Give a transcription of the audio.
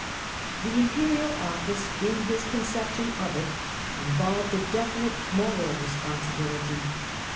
The Imperial office, in his conception of it, involved | a definite moral responsibility.